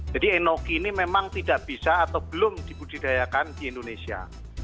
jadi enoki ini memang tidak bisa atau belum dibudidayakan di indonesia